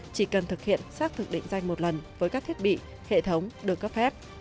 chỉ cần thực hiện xác thực định danh một lần với các thiết bị hệ thống được cấp phép